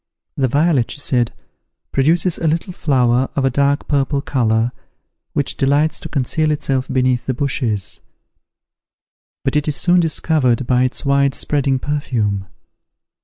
"The violet," she said, "produces a little flower of a dark purple colour, which delights to conceal itself beneath the bushes; but it is soon discovered by its wide spreading perfume."